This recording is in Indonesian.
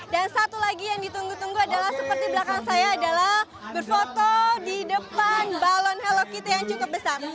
dan satu lagi yang ditunggu tunggu adalah seperti belakang saya adalah berfoto di depan balon hello kitty yang cukup besar